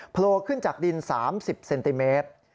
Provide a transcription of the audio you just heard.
โผล่ขึ้นจากดิน๓๐เซนติเมตร